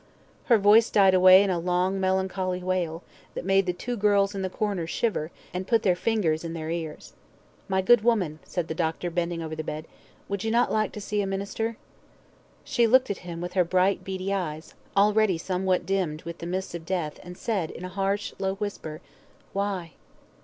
Her voice died away in a long melancholy wail, that made the two girls in the corner shiver, and put their fingers in their ears. "My good woman," said the doctor, bending over the bed, "would you not like to see a minister?" She looked at him with her bright, beady eyes, already somewhat dimmed with the mists of death, and said, in a harsh, low whisper "Why?"